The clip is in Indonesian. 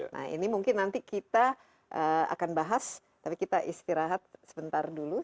nah ini mungkin nanti kita akan bahas tapi kita istirahat sebentar dulu